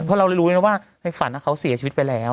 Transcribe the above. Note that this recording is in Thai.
เพราะเรารู้เลยนะว่าในฝันเขาเสียชีวิตไปแล้ว